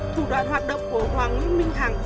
thủ đoạn hoạt động của hoàng nguyễn minh hằng